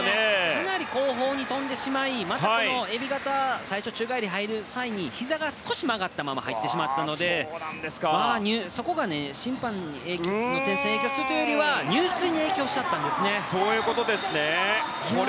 かなり後方に飛んでしまいえび型最初、宙返り入る前に、ひざが少し曲がったまま入ったのでそこが審判の点数に影響するというよりは入水に影響しちゃったんですね。